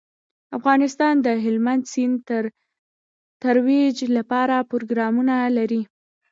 افغانستان د هلمند سیند د ترویج لپاره پروګرامونه لري.